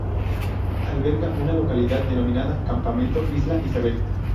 Alberga una localidad denominada: Campamento Isla Isabel.